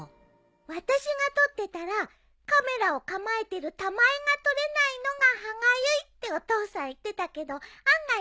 私が撮ってたら「カメラを構えてるたまえが撮れないのが歯がゆい」ってお父さん言ってたけど案外うれしそうだったよ。